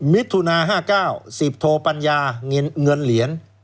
มิตรทุนา๕๙สิบโทปัญญาเงินเหลียน